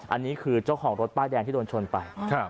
อันนี้คือเจ้าของรถป้ายแดงที่โดนชนไป